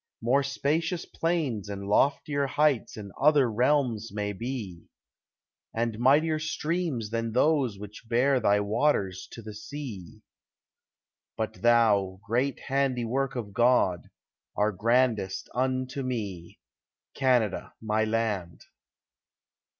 More spacious plains and loftier heights In other realms may be, And mightier streams than those which bear Thy waters to the sea; But thou, great handiwork of God, Art grandest unto me, Canada, my land.